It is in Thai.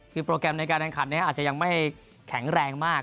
คือโปรแกรมในการแข่งขันนี้อาจจะยังไม่แข็งแรงมาก